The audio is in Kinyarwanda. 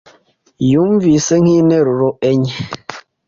yumvise nk'interuro enye